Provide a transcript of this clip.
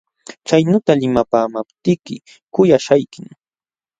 Chaynuyta limapaamaptiyki kuyaśhaykim.